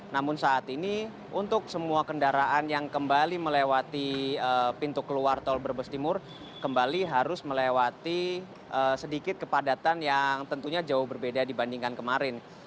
namun saat ini untuk semua kendaraan yang kembali melewati pintu keluar tol brebes timur kembali harus melewati sedikit kepadatan yang tentunya jauh berbeda dibandingkan kemarin